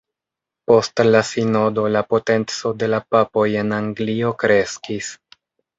Post la sinodo la potenco de la papoj en Anglio kreskis.